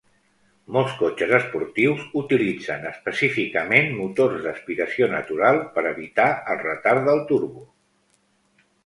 Molts cotxes esportius utilitzen específicament motors d'aspiració natural per evitar el retard del turbo.